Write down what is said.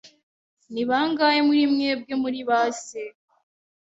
Ni bangahe muri mwebwe muri base?